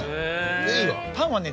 パンはね